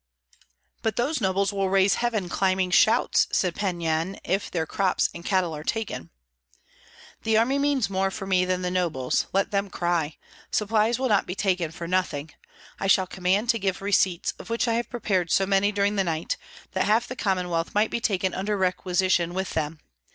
"But those nobles will raise heaven climbing shouts," said Pan Yan, "if their crops and cattle are taken." "The army means more for me than the nobles. Let them cry! Supplies will not be taken for nothing. I shall command to give receipts, of which I have prepared so many during the night, that half the Commonwealth might be taken under requisition with them.